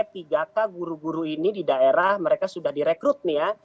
tiga k guru guru ini di daerah mereka sudah direkrut nih ya